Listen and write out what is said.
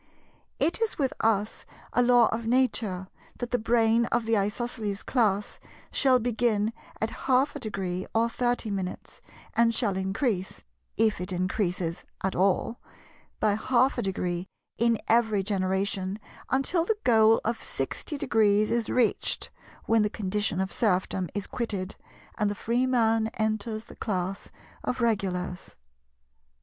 It is with us a Law of Nature that the brain of the Isosceles class shall begin at half a degree, or thirty minutes, and shall increase (if it increases at all) by half a degree in every generation until the goal of 60° is reached, when the condition of serfdom is quitted, and the freeman enters the class of Regulars.